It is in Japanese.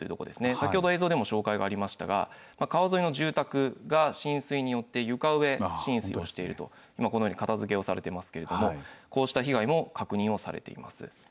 先ほど映像でも紹介がありましたが、川沿いの住宅が浸水によって床上浸水をしていると、このように片づけをされてますけれども、こうした被害も確認をされています。